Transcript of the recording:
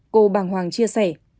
cô bàng hoàng chia sẻ